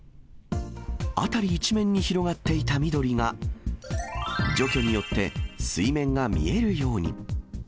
辺り一面に広がっていた緑が、除去によって水面が見えるように。